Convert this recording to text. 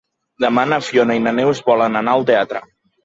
Demà na Fiona i na Neus volen anar al teatre.